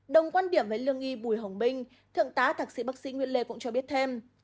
đồng quan điểm với lương y bùi hồng binh thượng tá thạc sĩ bác sĩ nguyễn lê cũng cho biết thêm